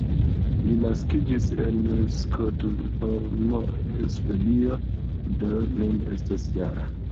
Li naskiĝis en Stokholmo, Svedio, do nun estas -jara.